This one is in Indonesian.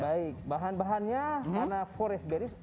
baik bahan bahannya karena forest baris